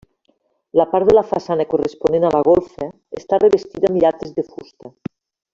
La part de la façana corresponent a la golfa està revestida amb llates de fusta.